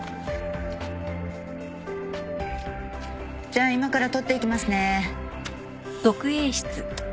じゃあ今から撮っていきますね。